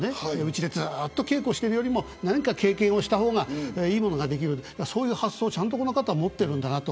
家で、ずっと稽古しているより何か経験をした方がいいものができるという発想をこの方は持っているんだなと。